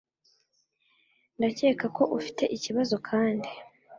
Ndakeka ko ufite ikibazo kandi.